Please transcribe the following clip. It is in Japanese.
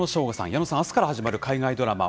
矢野さん、あすから始まる海外ドラマ